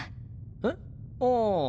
えっ？ああ。